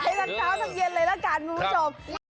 หลายครั้งเช้าสักเย็นเลยละกันมื้อจบ